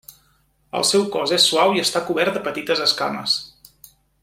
El seu cos és suau i està cobert de petites escames.